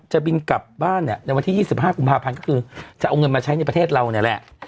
จะบินกลับบ้านเนี่ยในวันที่๒๕กุมภาพันธ์ก็คือจะเอาเงินมาใช้ในประเทศเราเนี่ยแหละ